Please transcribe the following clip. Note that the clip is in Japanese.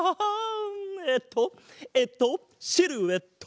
えっとえっとシルエット！